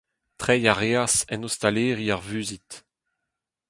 Treiñ a reas en ostaleri ar Vuzid.